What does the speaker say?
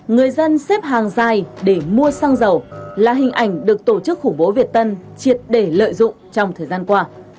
người dân xếp hàng dài để mua xăng dầu là hình ảnh được tổ chức khủng bố việt tân triệt để lợi dụng trong thời gian qua